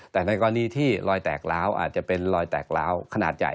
แต่ในกรณีที่รอยแตกร้าวอาจจะเป็นรอยแตกร้าวขนาดใหญ่